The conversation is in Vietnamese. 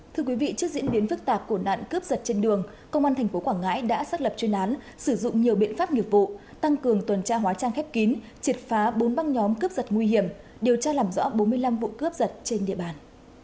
thưa quý vị trước diễn biến phức tạp của nạn cướp giật trên đường công an thành phố quảng ngãi đã xác lập chuyên án sử dụng nhiều biện pháp nghiệp vụ tăng cường tuần tra hóa trang khép kín triệt phá bốn băng nhóm cướp giật nguy hiểm điều tra làm rõ bốn mươi năm vụ cướp giật trên địa bàn